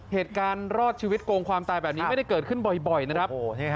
เหตุการณ์รอดชีวิตโกงความตายแบบนี้ไม่ได้เกิดขึ้นบ่อยนะครับ